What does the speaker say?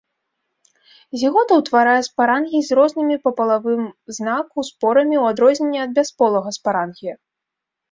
Зігота ўтварае спарангій з рознымі па палавым знаку спорамі ў адрозненне ад бясполага спарангія.